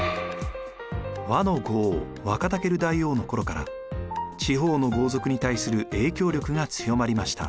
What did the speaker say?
倭の五王ワカタケル大王の頃から地方の豪族に対する影響力が強まりました。